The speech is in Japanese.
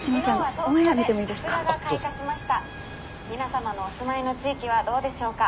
「皆様のお住まいの地域はどうでしょうか？